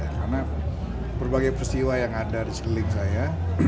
karena berbagai peristiwa yang ada di sekeliling saya